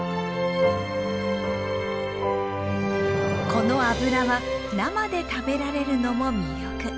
この油は生で食べられるのも魅力。